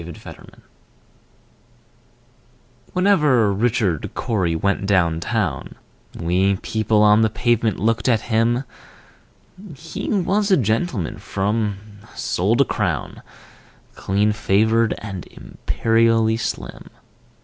Richard Cory Whenever Richard Cory went down town, We people on the pavement looked at him: He was a gentleman from sole to crown, Clean favored, and imperially slim.